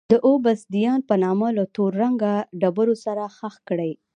د اوبسیدیان په نامه له تور رنګه ډبرو سره ښخ کړي.